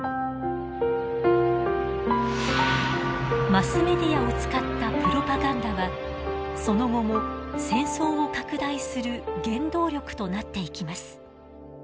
マスメディアを使ったプロパガンダはその後も戦争を拡大する原動力となっていきます。